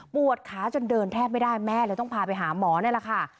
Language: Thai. ขาจนเดินแทบไม่ได้แม่เลยต้องพาไปหาหมอนี่แหละค่ะ